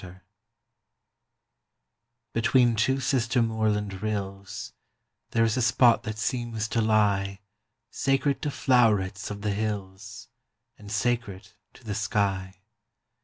_ Between two sister moorland rills There is a spot that seems to lie Sacred to flowerets of the hills, And sacred to the sky.